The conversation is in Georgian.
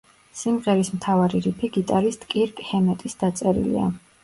სიმღერის მთავარი რიფი გიტარისტ კირკ ჰემეტის დაწერილია.